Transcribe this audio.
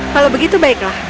kalau begitu baiklah